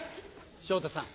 昇太さん。